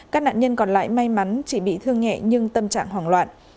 các nạn nhân còn lại may mắn chỉ bị thương nhẹ nhưng tâm trạng hoảng loạn